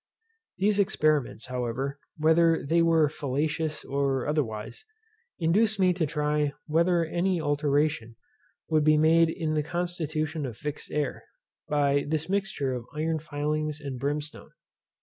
These experiments, however, whether they were fallacious or otherwise, induced me to try whether any alteration would be made in the constitution of fixed air, by this mixture of iron filings and brimstone.